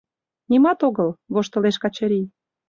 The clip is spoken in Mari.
— Нимат огыл, — воштылеш Качырий.